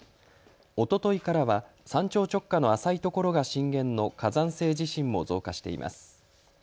おとといからは山頂直下の浅いところが震源の火山性地震も増加しています。